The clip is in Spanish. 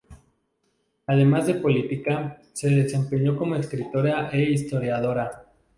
Además de política, se desempeñó como escritora e historiadora.